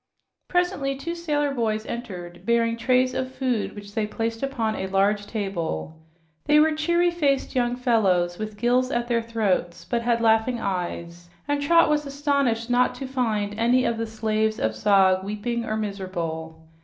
Presently two sailor boys entered bearing trays of food, which they placed upon a large table. They were cheery faced young fellows with gills at their throats, but had laughing eyes, and Trot was astonished not to find any of the slaves of Zog weeping or miserable.